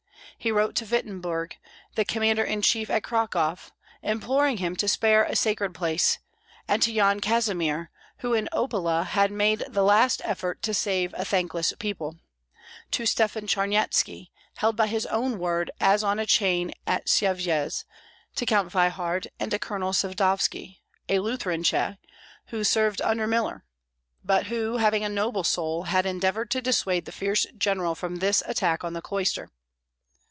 He wrote to Wittemberg, the commander in chief at Cracow, imploring him to spare a sacred place; and to Yan Kazimir, who in Opola had made the last effort to save a thankless people; to Stefan Charnyetski, held by his own word as on a chain at Syevyej; to Count Veyhard; and to Colonel Sadovski, a Lutheran Cheh, who served under Miller, but who, having a noble soul, had endeavored to dissuade the fierce general from this attack on the cloister.